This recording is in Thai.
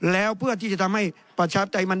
แล้วเพื่อที่จะทำให้ประชาปไตยมัน